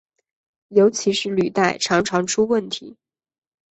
尤其是履带常常出问题。